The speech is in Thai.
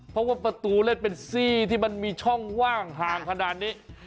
เพราะว่าประตูเล่นเป็นซี่ที่มันมีช่องว่างห่างขนาดนี้